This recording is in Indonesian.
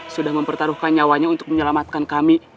sudah mempertaruhkan nyawanya untuk menyelamatkan kami